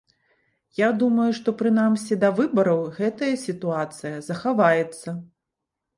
Я думаю, што прынамсі да выбараў гэтая сітуацыя захаваецца.